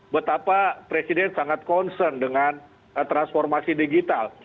betapa presiden sangat concern dengan transformasi digital